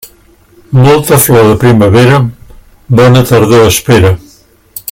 Molta flor de primavera, bona tardor espera.